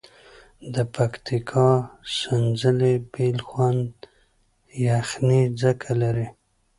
د پکتیکا سینځلي بیل خوند یعني څکه لري.